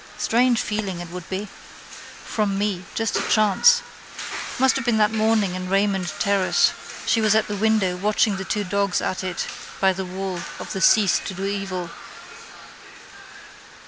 Strange feeling it would be. From me. Just a chance. Must have been that morning in Raymond terrace she was at the window watching the two dogs at it by the wall of the cease to do evil.